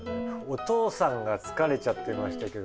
お父さんが疲れちゃってましたけどね。